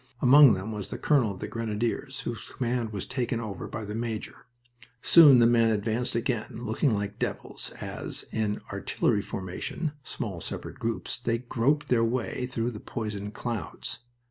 Among them was the colonel of the Grenadiers, whose command was taken over by the major. Soon the men advanced again, looking like devils, as, in artillery formation (small separate groups), they groped their way through the poisoned clouds.